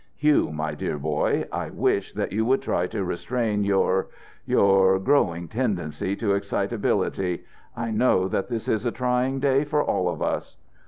Hugh, my dear boy, I wish that you would try to restrain your your growing tendency to excitability. I know that this is a trying day for all of us."